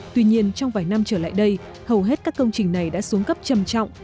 tuy nhiên trong vài năm trở lại đây hầu hết các công trình này đã xuống cấp trầm trọng